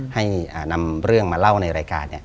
ให้นำเรื่องมาเล่าในรายการ